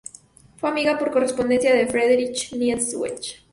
Fue amiga por correspondencia de Friederich Nietzsche.